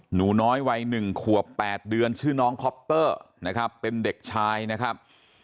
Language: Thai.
หนูน้อยวัยหนึ่งคัวร์แปดเดือนชื่นน้องคอปเปิ้ร์เป็นเด็กชายนะครับ